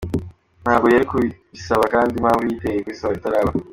Ntabwo yari kubisaba kandi impamvu iyiteye kubisaba itaraba.